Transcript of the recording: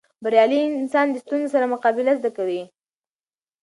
بریالی انسان د ستونزو سره مقابله زده کوي.